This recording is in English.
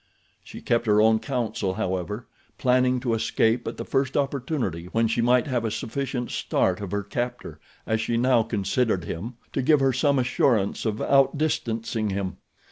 She kept her own counsel however, planning to escape at the first opportunity when she might have a sufficient start of her captor, as she now considered him, to give her some assurance of outdistancing him.